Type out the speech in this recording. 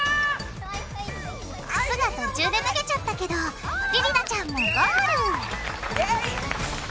靴が途中で脱げちゃったけどりりなちゃんもゴール！